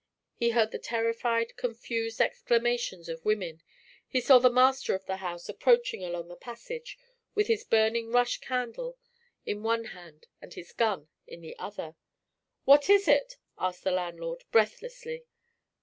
He heard the terrified, confused exclamations of women; he saw the master of the house approaching along the passage with his burning rush candle in one hand and his gun in the other. "What is it?" asked the landlord, breathlessly.